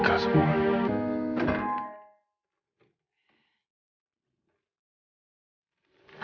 aku mau ke bandara